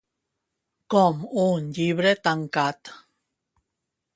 Com un llibre tancat.